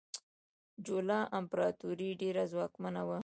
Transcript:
چولا امپراتوري ډیره ځواکمنه وه.